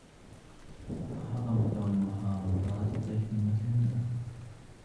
احاط محتوى المحاضرة طيفاً واسعاً من الافكار.